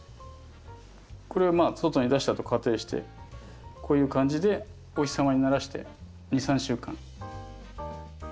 これを外に出したと仮定してこういう感じでお日様に慣らして２３週間。